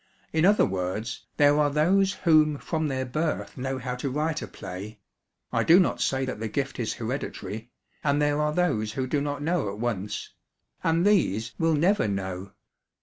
In other words, there are those whom from their birth know how to write a play (I do not say that the gift is hereditary); and there are those who do not know at once and these will never know.